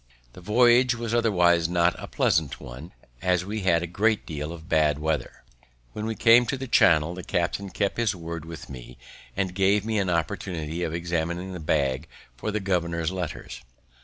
The voyage was otherwise not a pleasant one, as we had a great deal of bad weather. When we came into the Channel, the captain kept his word with me, and gave me an opportunity of examining the bag for the governor's letters.